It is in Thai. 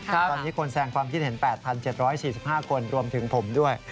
ตอนนี้คนแสงความคิดเห็นแปดพันเจ็บสิบห้าคนรวมถึงผมด้วย